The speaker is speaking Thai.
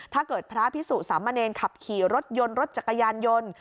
ถ้าเกิดพระพิสุสามเณรขับขี่รถยนต์รถจักรยานยนต์